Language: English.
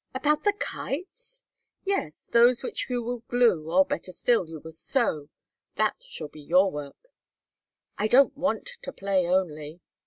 "About the kites?" "Yes, those which you will glue, or better still, you will sew. That shall be your work." "I don't want to play only."